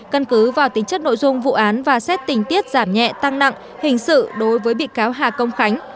căn cứ vào tính chất nội dung vụ án và xét tình tiết giảm nhẹ tăng nặng hình sự đối với bị cáo hà công khánh